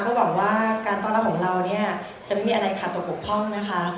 ก็บอกว่าการต้อนรับของเราเนี่ยจะไม่มีอะไรขาดตกบกพร่องนะคะ